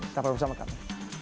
sampai bersama kami